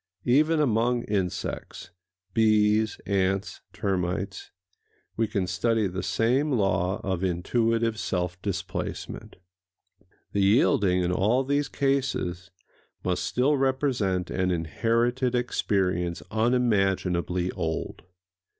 Even among insects—bees, ants, termites—we can study the same law of intuitive self displacement. The yielding, in all these cases, must still represent an inherited experience unimaginably old.